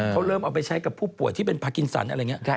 เขาเริ่มเอาไปใช้กับผู้ป่วยที่เป็นภาคกินสรรค์